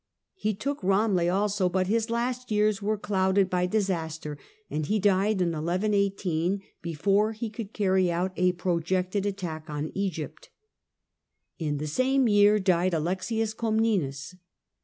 He took Eamleh also, but his last years were clouded by disaster, and he died in 1118 before he could carry out a projected attack on Egypt. In the same year died Alexius Comnenus.